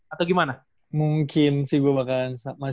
atau gimana mungkin sih gue akan